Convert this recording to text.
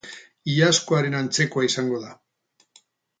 Iazkoaren antzekoa izango da.